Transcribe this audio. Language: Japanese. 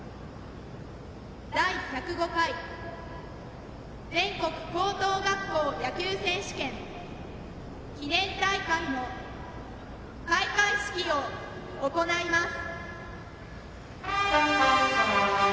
第１０５回全国高等学校野球選手権記念大会の開会式を行います。